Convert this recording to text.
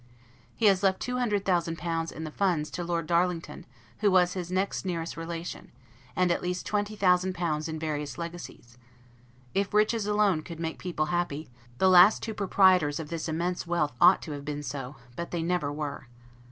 He has left two hundred thousand pounds, in the funds, to Lord Darlington, who was his next nearest relation; and at least twenty thousand pounds in various legacies. If riches alone could make people happy, the last two proprietors of this immense wealth ought to have been so, but they never were.